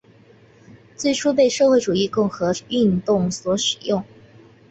最初被社会主义共和运动所使用。